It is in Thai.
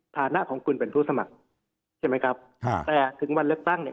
ฐานะของคุณเป็นผู้สมัครใช่ไหมครับแต่ถึงวันเลือกตั้งเนี่ย